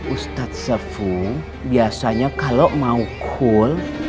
ustadz sefung biasanya kalau mau cool